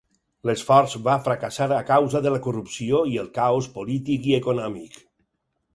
L'esforç va fracassar a causa de la corrupció i el caos polític i econòmic.